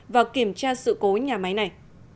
và kiểm tra sự cố nhà máy này